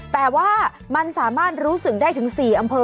แต่ว่ามันสามารถรู้สึกได้ถึง๔อำเภอ